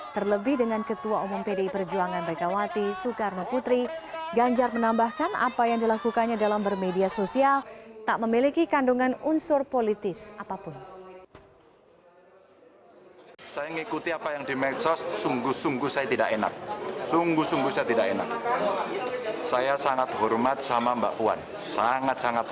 terlebih dengan ketua umum pdi perjuangan bkwt soekarno putri ganjar menambahkan apa yang dilakukannya dalam bermedia sosial tak memiliki kandungan unsur politis apapun